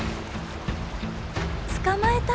捕まえた！